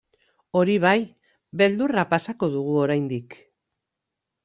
Hori bai, beldurra pasako dugu oraindik.